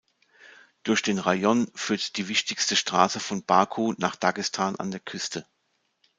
Durch den Rayon führt die wichtigste Straße von Baku nach Dagestan an der Küste.